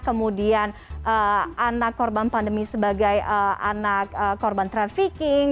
kemudian anak korban pandemi sebagai anak korban trafficking